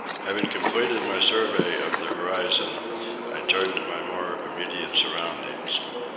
Having completed my survey of the horizon, I turned to my more immediate surroundings.